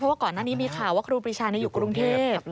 ว่าก่อนหน้านี้มีข่าวว่าครูปรีชาอยู่กรุงเทพ